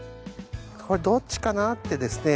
これどっちかなってですね